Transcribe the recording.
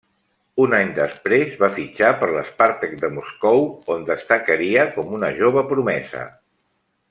Un any després, va fitxar per l'Spartak de Moscou, on destacaria com una jove promesa.